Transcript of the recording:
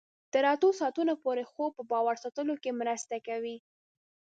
تر اتو ساعتونو پورې خوب په باور ساتلو کې مرسته کوي.